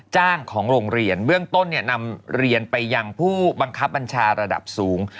ของโรงเรียนเบื้องต้นนำเรียนไปยังผู้บังคับบัญชาระดับสูง